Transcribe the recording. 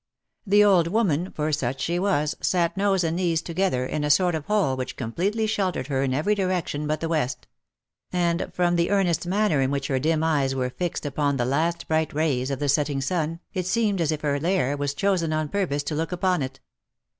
The old woman, for such she was, sat nose and knees together, in a sort of hole which completely sheltered her in every direction but the west ; and from the earnest manner in which her dim eyes were fixed upon the last bright rays of the setting sun, it seemed as if her lair was chosen on purpose to look upon it.